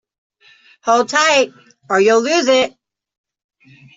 Hold tight, or you'll lose it!